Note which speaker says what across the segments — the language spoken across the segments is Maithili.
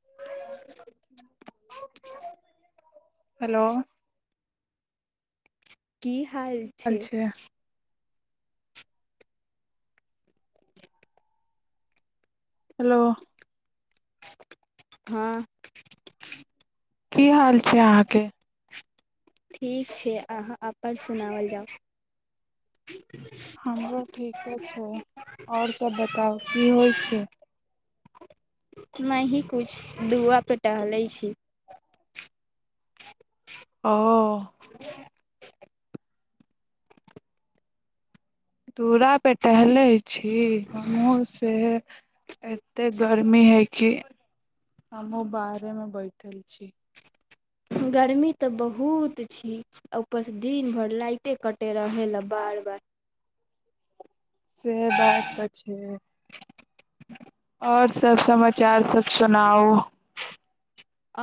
Speaker 1: [unintelligible] हेलो
Speaker 2: की चाल छै
Speaker 1: हेलो
Speaker 2: हँ
Speaker 1: की हाल छै अहाँके
Speaker 2: ठीक छै अहाँ अपन सुनाओल जाउ
Speaker 1: हमरो ठीके छै आओर सब बताउ की होइ छै
Speaker 2: न ही कुछु दुआपर टहलै छी
Speaker 1: ओ दूरापे टहलै छी हमहूँ से एतेक गर्मी हइ कि हमहूँ बाहरेमे बैठल छी
Speaker 2: गर्मी तऽ बहुत छी ऊपरसँ दिन भरि लाइटे कटैत रहै लेलए बार बार
Speaker 1: से बात तऽ छै आओर सब समा चारि सात सु नओ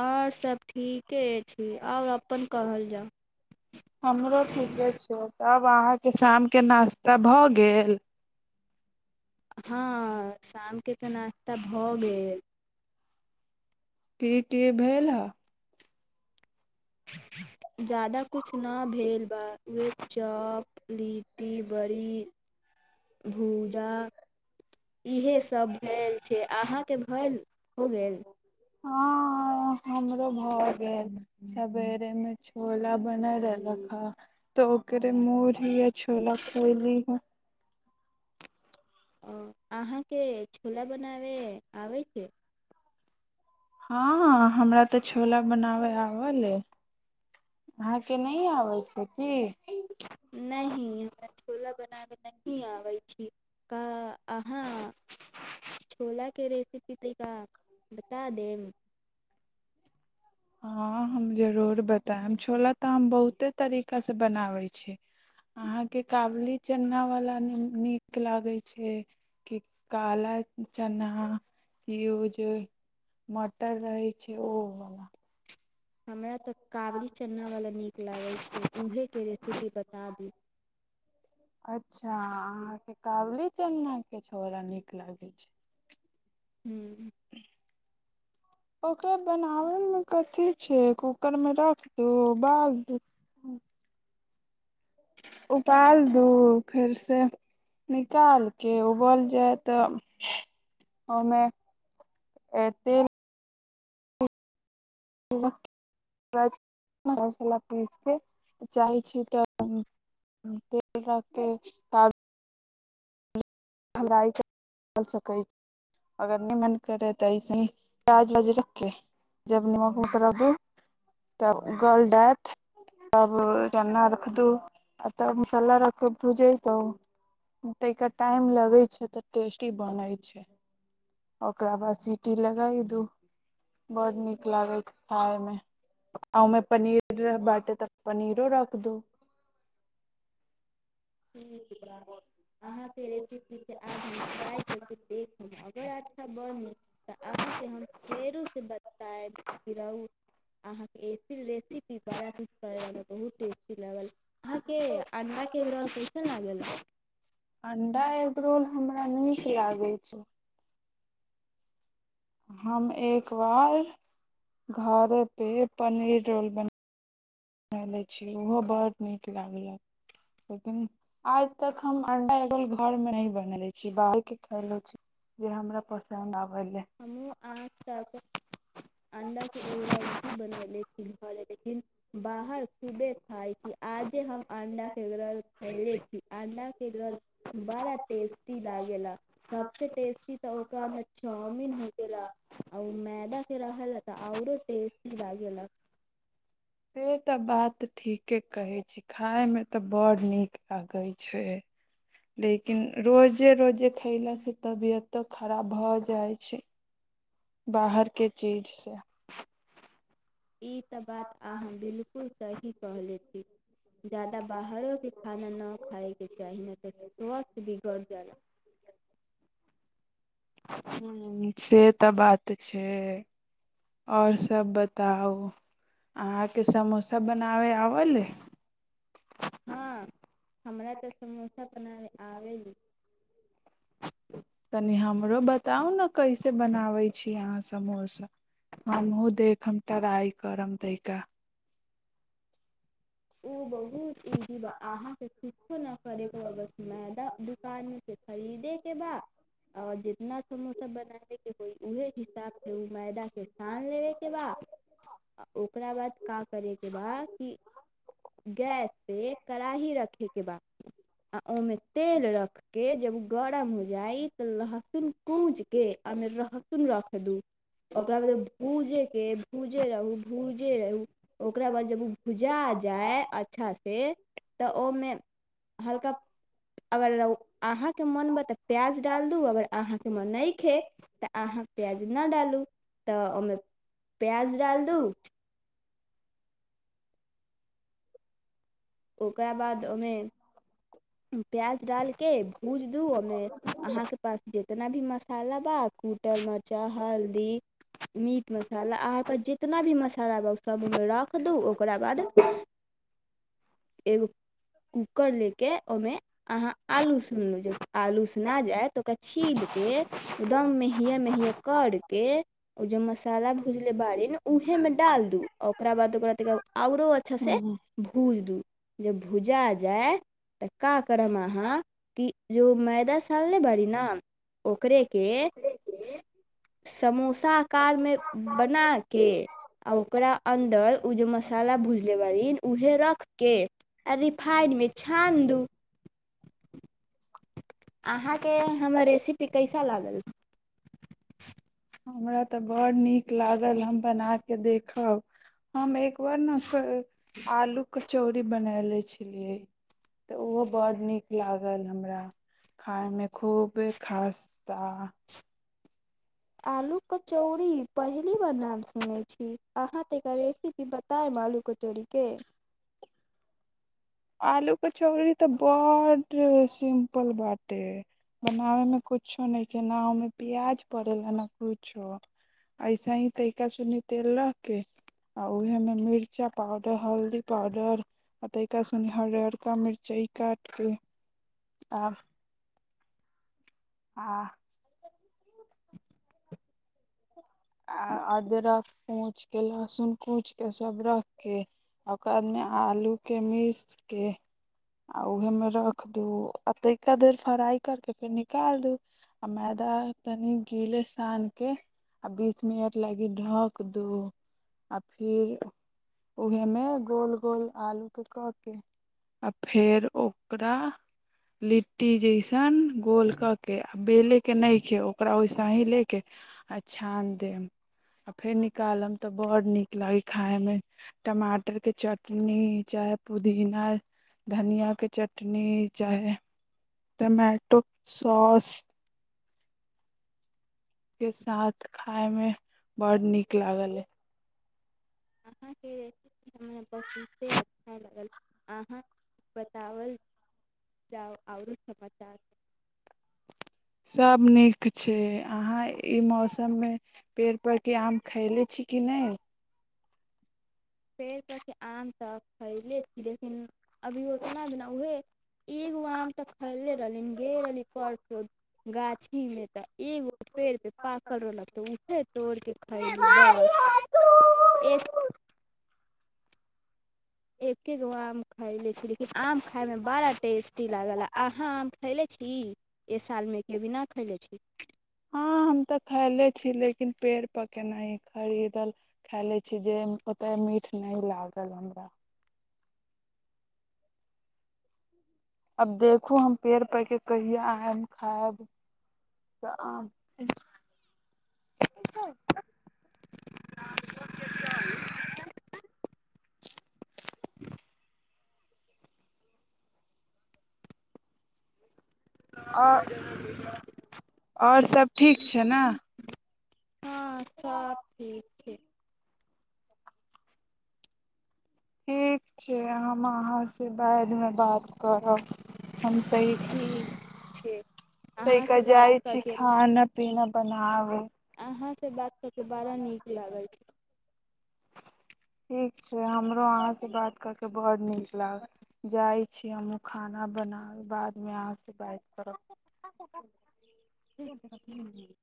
Speaker 2: आओर सब ठीके अछि आओर अपन कहल जाउ
Speaker 1: हमरो ठीके छै तब अहाँके शामके नास्ता भऽ गेल
Speaker 2: हँ शामके तऽ नास्ता भऽ गेल
Speaker 1: [unintelligible] के भेल ह
Speaker 2: ज्यदाा किछु नहि भेल ब ओह चप लीटी बड़ी भूजा इहे सभ भेल छै अहाँके भेल हो गेल
Speaker 1: हँ हमरो भए गेल सवेरे मे छोला बन रहलक हे तऽ ओकरे मही या छोला खोली हे
Speaker 2: अहाँके छोला बनाबै आबै छै
Speaker 1: हँ हमरा तऽ छोला बनाबय आबल अहाँके नहि आबै छै की
Speaker 2: नहि हमरा छोला बना के नहि आबै छी अहाँ छोलााक के रे स्थिका बता देब
Speaker 1: हँ हम जरूर बतायब छोला तऽ हम बहुते तरीकासँ बनाबैत छी अहाँके काबुली चनावला नीक लागैत छै कि काला चना कि ओ जे मटर रहैत छै ओहोवला
Speaker 2: हमरा तऽ काबली चनावला नीक लगैत छै उहेके रेसिपी बता दू
Speaker 1: अच्छा अहाँके कावली चलनाे छोड़ा नीक लागै छै
Speaker 2: हम्म
Speaker 1: ओकररा बनाबयमे कथी छै कूकरमे राख दू बाल दू उबाल दू फेरसँ निकाल कऽ उबल जाय तऽ ओहिमे तेल मसाला पीस कऽ चाहै छी तऽ तेल राख कऽ हमरा सकै अगर नहि मन करे तऽसे ही प्याज वाज रखे जब नमक उमक रख दू तब गल डत तब चना रख दू आ तब मसाला रख भूजे त त टा लगे छै तऽ टेस्टी बनै छै ओकरा बाद सीटी लगाय दू बड़ नीक लागे छै खााय मे पनीर बाँटे त पनीरो रख दू
Speaker 2: ठीकात अहाँके रेसिपी आज हम ट्राइ कर देख अगर अच्छा बन तऽ अहाँके हम फेरो से बतायब रह अहाँकेस रेसपी बड़ा कर बहुत टेस्टी लागल अहाँके अंडा के
Speaker 1: पड रून हमरा नीक लागै छै हम एक बार घर पे पनीर रोल बना बले छी ओहो बड्ड नीक लागलक लेकिन आज तक हम अणडा घरमे नहि बनेले छी बाहरके खले छी जे हमरा पसन्द आब
Speaker 2: हम आ तक अंडा के एगरा बन ले बाहर खूबे खााय छी आजे हम अंडा के ग्रल खयले छी अंडा के ग्रल बड़ा टेस्टी लागेला सबस टेस्टी त ओकरा हो गेला आर मैदााक के रहल तऽ आऔरो टेस्टी लागेला
Speaker 1: से तऽ बात ठीके कहै छी खाय मे तऽ बड़ नीक लागे छै लेकिन रोजे रोजे खयलासँ तबियतो खराब भऽ जाइ छै बाहरके चीज से
Speaker 2: ई तऽ बात अहाँ बिलकुल सही कहले छी जादा बाहरोे खाना नहि खायके चाही ने तऽ स्वास्थ्य बिगड़ जा
Speaker 1: ह से तऽ बात छै आओर सब बताउ अहाँके समोसा बनाबे आब ले
Speaker 2: हँ हमरा तऽ समोसा बना आल
Speaker 1: तनि हमरो बताउ ने कैसे बनाबै छी अहाँ समोसा हमहुूँ देखब ट्राइ करब तैका
Speaker 2: ओ बहुत ईजी बा अहाँके किछो न करैकेस मैदा दुकानमे खरीदे के बा आओर जितना समोसा बनाबे के होइ उहे हिसाब से ओ मैदा के सान लेबे के बा ओकरा बाद क करे के बा कि गैस पे कड़ाही रखे के बाद आ ओहिमे तेल रख के जब गरम हो जाइ तऽ लहसुन कूज के आमे लहसुन रख दू ओकरा बाद भूजे के भूजे रहू भूजे रहू ओकरा बाद जब ओ भूज जा जाय अच्छासँ तऽ ओहिमे हल्का अगर अहाँके मोनमे तऽ प्याज डाल दू अगर अहाँके मन नहि खे तऽ अहाँ प्याज नहि डालू तऽ ओहिमे प्याज डाल दू ओकरा बाद ओहिमे प्याज डालके भूज दू ओहिमे अहाँके पास जितना भी मस खाला ा कूटल मचाहल मीट मसाला आहाँ जितना भी मसाल। र ओकरा बाद। एगो कूकर ले के ओहिमे अहाँ आलू उसनलु जब आलू। ना जाइ तऽ ओकरा छीलके एकदम मेय मेहय करके ओ जे मसाला भुजलै बाड़ीमे उऊहेमे डाल दू ओकरा बाद ओकरा ताद। आओरो अच्छा से
Speaker 1: हूँ
Speaker 2: भूज दू। ज भुजा जाय तऽ का करम अहाँ कि। जे मैदा सालले बड़ी ने ओकरे के समोसा आकार मे बना के आ ओकरा अन्दर ओ जे मसाला भुज। देबालन उहे रख के। आ रिफाइनमे छानि दू। अहाँ के हमर रेसिपी। ते कैसा लागल।
Speaker 1: हमरा तऽ बड़ नीक लागल हम बनाके देखब। हमे। बर ने आलू। चौरी बना ले छलियै। तऽ ओहो बड्ड नीक लागल हमरा। खायमे खूब खास्ता।
Speaker 2: आलू कचौड़ी पहिली बार नाम सुनैत छी अहाँ तऽ एकर रेसिपी बतायब आलू कचौड़ी। के।
Speaker 1: आलू कचौड़ी तऽ ब्ड सिम्पल बाटे बनाबे मे कुछो नइखे। ा सुनि हरियरका मिरचाइ काटके। आ। आ। आ अदरक पूछि कऽ लहसुन कूछि कऽ सभ रखि कऽ ओकररा बादमे आलूके मिस कऽ आ उहमे रख दू आ तहिा देर फ्राइ करि कऽ फेर निकालि दू आ मैदा तनि गीले सानि कऽ। आ बीस मिनट लागि ढक दू आ फेर उहेमे गोल गोल आलूके कऽ के आ फेर ओकरा लिट्टी जैसन गोल कऽ के आ बेलेके नहि खे ओकरा वइसे ही लेके आ। छान देब आ फेर निकालब तऽ बड़ नीक लागै खायमे टमाटर के चटनी चाहे पुदीना धनिया के चटनी चाहे टमाटोक सॉस। के साथ खायमे बड नीक लागले।
Speaker 2: अहाँके रेसिपी हमरा बहुते अच्छा लगल अहाँ। बतावल। जाउ आरो समाचार।
Speaker 1: सभ नीक छै अहाँ ई मौसम मे पेड़ पौड़के आम खैले छी कि नहि।
Speaker 2: पेड़ त कि आम तऽ खरीले छी लेकिन। अभी उतना भना उहे एगो आम तऽ खरीले रहली गे रहली परसो गाछी मे तऽ एगो पेड़ पे पाकल रहलक तऽ उऊहे तोड़ के खरीली बस एक। एके गो आम खायले छी लेकिन आम। खाायमे बड़ा टेस्टी लागल अहाँ आम खयले छी। ए सालमे के बिना खैले छी।
Speaker 1: हँ हम तऽ खायले छी लेकिन पेड़ पर केनाह खरीदल खायले छी जे ओतय मीठ नहि लागल हमरा। आब देखू हम पेड़ पके कहिया आयब खायब तऽ आ आओ आओर सभ ठीक छै ने
Speaker 2: हँ सब ठीक ठ
Speaker 1: ठीक छै हम अहाँसँ बादमे बात करब हम त
Speaker 2: ठीक छै अहाँ
Speaker 1: तहिके
Speaker 2: से बात
Speaker 1: जाइ छी
Speaker 2: करके
Speaker 1: खाना पीना बनाबै
Speaker 2: अहाँ बात सबके बड़ा नीक लागल छै
Speaker 1: ठीक छै हमरो अहाँसँ बात कर कऽ बड़ नीक लागल जाइ छी हमहूँ खाना बनाब बादमे अहाँसँ बात करब क